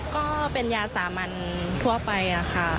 ก็เป็นยาสามัญทั่วไปค่ะ